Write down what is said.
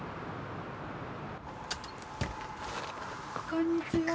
こんにちは。